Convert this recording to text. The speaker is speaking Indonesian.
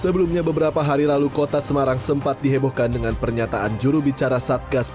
sebelumnya beberapa hari lalu kota semarang sempat dihebohkan dengan pernyataan jurubicara satgas penanganan covid sembilan belas wali kota